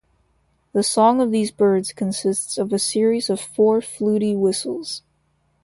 The song of these birds consists of a series of four flutey whistles.